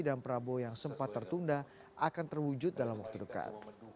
prabowo yang sempat tertunda akan terwujud dalam waktu dekat